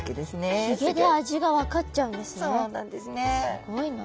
すごいな。